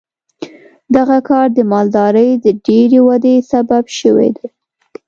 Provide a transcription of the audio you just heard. دغه کار د مالدارۍ د ډېرې ودې سبب شوی دی.